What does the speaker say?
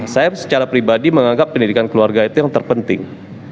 saya secara pribadi menganggap pendidikan keluarga itu yang terpenting